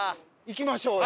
行きましょう。